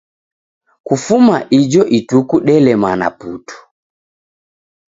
Kufuma ijo ituku delemana putu!